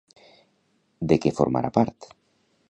De què formarà part?